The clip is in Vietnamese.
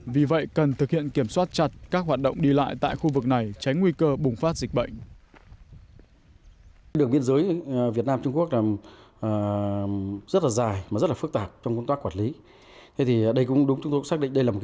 vì vậy cần thực hiện kiểm soát chặt các hoạt động đi lại tại khu vực này tránh nguy cơ bùng phát dịch bệnh